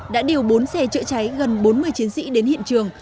đã điều bốn xe chữa cháy gần bốn mươi chiến sĩ đến hiện trường